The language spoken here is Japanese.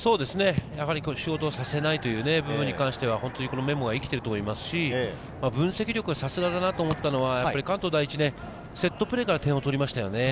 やはり仕事をさせないというのは、このメモが生きていると思いますし、分析力はさすがだなと思ったのは関東第一のセットプレーから点を取りましたよね。